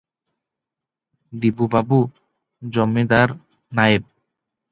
ଦିବୁ ବାବୁ ଜମିଦାର ନାଏବ ।